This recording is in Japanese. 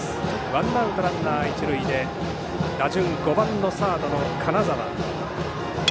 ワンアウトランナー、一塁で打順は５番サードの金沢。